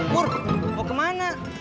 pur mau kemana